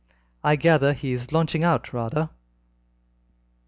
I gather he is launching out rather.